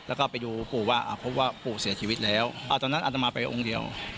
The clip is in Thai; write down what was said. แล้วก็ไปดูปู่ว่าพบว่าปู่เสียชีวิตแล้วตอนนั้นอัตมาไปองค์เดียว